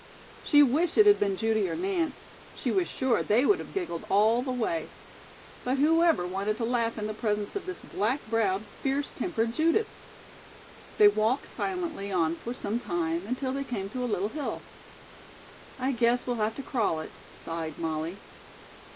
She wished it had been Judy or Nance. She was sure they would have giggled all the way. But who ever wanted to laugh in the presence of this black browed, fierce tempered Judith? They walked silently on for some time, until they came to a little hill. "I guess we'll have to crawl it," sighed Molly.